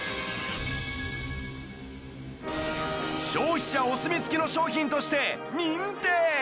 消費者お墨付きの商品として認定